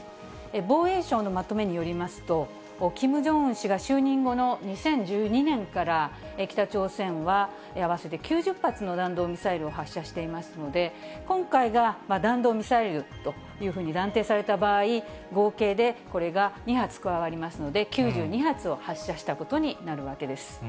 防衛省のまとめによりますと、キム・ジョンウン氏が就任後の２０１２年から、北朝鮮は合わせて９０発の弾道ミサイルを発射していますので、今回が弾道ミサイルというふうに断定された場合、合計でこれが２発加わりますので、９２発を発射したことになるわけです。